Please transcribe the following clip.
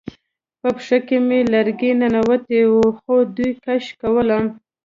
په پښه کې مې لرګی ننوتی و خو دوی کش کولم